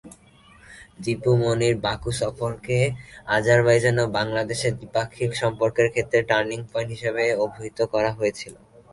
দীপু মনির বাকু সফরকে আজারবাইজান ও বাংলাদেশের দ্বিপাক্ষিক সম্পর্কের ক্ষেত্রে "টার্নিং পয়েন্ট" হিসাবে অভিহিত করা হয়েছিল।